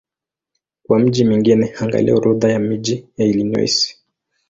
Kwa miji mingine angalia Orodha ya miji ya Illinois.